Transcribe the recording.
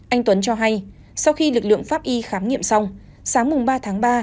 anh tuấn cho hay sau khi lực lượng pháp y khám nghiệm xong sáng ba tháng ba